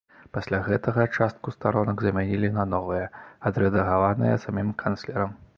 Пасля гэтага частку старонак замянілі на новыя, адрэдагаваныя самім канцлерам.